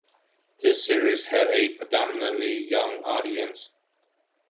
The series had a predominantly young audience.